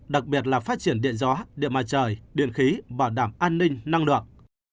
đặc biệt là phát triển điện gió điện mặt trời điện khí bảo đảm an ninh năng lượng